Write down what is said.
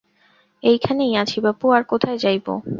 এইখানেই আছি বাপু, আর কোথায় যাইব?